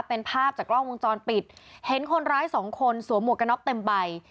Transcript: เป็นภาพจากกล้องวงจรปิดเห็นคนร้ายสองคนสวมหมวกกระน็อกเต็มใบ